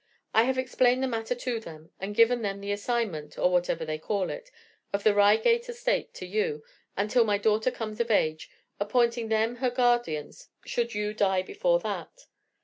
I have explained the matter to them, and given them the assignment, or whatever they call it, of the Reigate estate to you, until my daughter comes of age, appointing them her guardians should you die before that.